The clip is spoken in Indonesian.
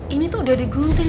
ini tuh udah digunting